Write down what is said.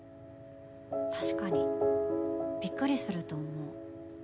確かにびっくりすると思う。